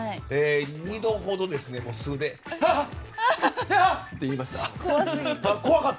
２度ほど素であっ！って言いました。